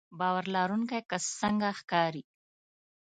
باور لرونکی کس څنګه ښکاري